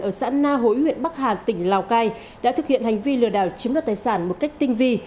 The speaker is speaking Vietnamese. ở xã na hối huyện bắc hà tỉnh lào cai đã thực hiện hành vi lừa đảo chiếm đoạt tài sản một cách tinh vi